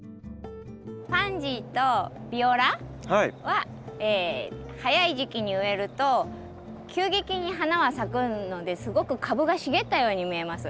パンジーとビオラは早い時期に植えると急激に花は咲くのですごく株が茂ったように見えます。